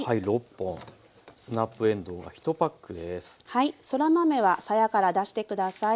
はいそら豆はさやから出して下さい。